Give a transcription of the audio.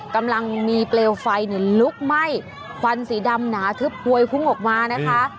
กำลังมีเปลวไฟลุกไหม้ควันสีดำหนาทึบพวยพุ่งออกมานะคะ